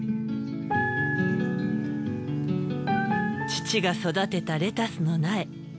父が育てたレタスの苗。